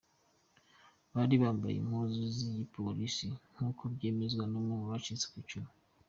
''Bari bambaye impuzu z'igipolisi'' nk'uko vyemezwa n'umwe mu bacitse kw'icumu.